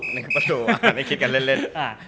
หนึ่งประตูไม่คิดกันเล่น